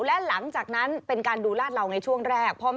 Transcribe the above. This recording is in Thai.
และหลังจากนั้นเป็นการดูลาดเหลาในช่วงแรก